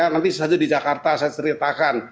nanti saja di jakarta saya ceritakan